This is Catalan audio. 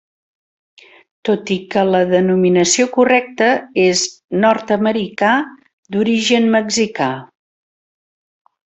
Tot i que la denominació correcta és nord-americà d'origen mexicà.